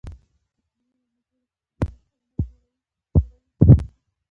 که کلمې ونه جوړو ژبه مري.